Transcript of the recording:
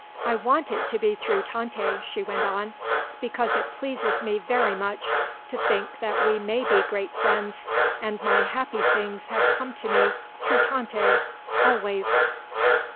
I want it to be through Tante," she went on, "because it pleases me very much to think that we may be great friends, and my happy things have come to me through Tante, always."